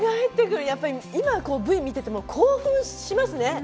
やっぱり今Ｖ見てても興奮しますね。